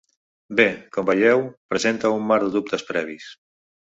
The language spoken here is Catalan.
Bé, com veieu, presenta un mar de dubtes previs.